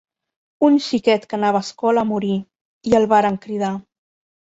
Un xiquet que anava a escola morí, i el varen cridar.